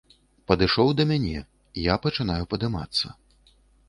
Падышоў да мяне, я пачынаю падымацца.